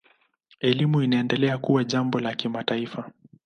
Elimu inaendelea kuwa jambo la kimataifa.